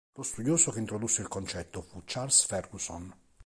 Lo studioso che introdusse il concetto fu Charles Ferguson.